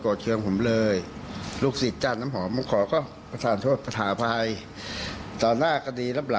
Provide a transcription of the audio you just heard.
โอ้โหยังไงละ